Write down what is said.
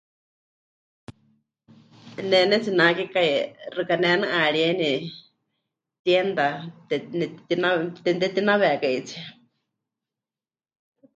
Ne pɨnetsinakekai xɨka nenɨ'aríeni tienda te... netetina... temɨtehetínawekaitsie.